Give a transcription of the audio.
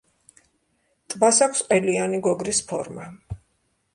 ტბას აქვს ყელიანი გოგრის ფორმა.